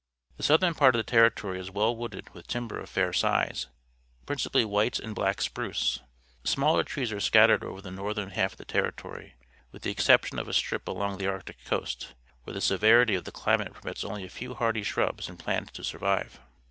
The southern part of the Territory is well wooded with timber of fair size, principally white and black spruce. Smaller trees are scattered over the northern half of the Terri tory', with the exception of a strip along the Arctic coast, where the severity of the climate Potatoes, near Dawson, Yukon Territory permits only a few hardy shrubs and plants to survive.